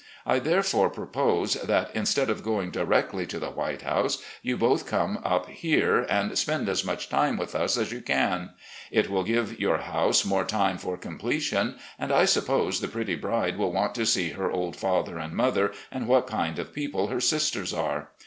I there AN ADVISER OF YOUNG MEN 285 fore propose that, instead of going directly to the White House, you both come up here, and spend as much time with us as you can. It will give your house more time for completion, and I suppose the pretty bride will want to see her old father and mother and what kind of people her sisters are.